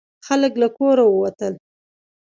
خلک له کوره ووتل.